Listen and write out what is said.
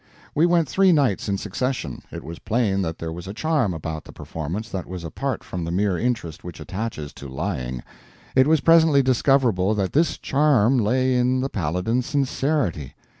We went three nights in succession. It was plain that there was a charm about the performance that was apart from the mere interest which attaches to lying. It was presently discoverable that this charm lay in the Paladin's sincerity.